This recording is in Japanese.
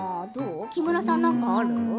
木村さんは何かある？